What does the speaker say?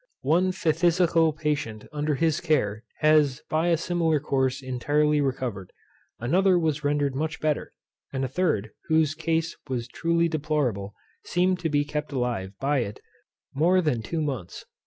One Phthisical patient under his care has by a similar course intirely recovered; another was rendered much better; and a third, whose case was truly deplorable, seemed to be kept alive by it more than two months.